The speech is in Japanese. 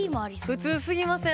普通すぎません？